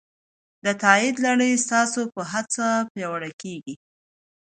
د تایید لړۍ ستاسو په هڅه پیاوړې کېږي.